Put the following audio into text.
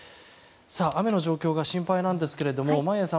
雨の状況が心配なんですけれども眞家さん